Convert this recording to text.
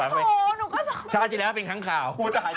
ตอนเท่านี้แล้วเป็นครั้งข่าว